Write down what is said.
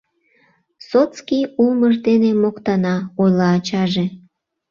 Сотский улмыж дене моктана, — ойла ачаже.